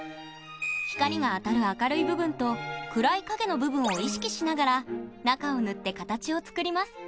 光が当たる明るい部分と暗い影の部分を意識しながら中を塗って形を作ります。